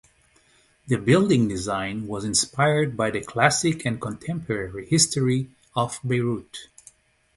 The building design was inspired by the classic and contemporary history of Beirut.